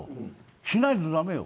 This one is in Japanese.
しないと駄目。